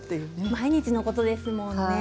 毎日のことですものね。